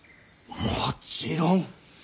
もちろん。